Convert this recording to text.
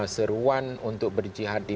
seruan untuk berjihad di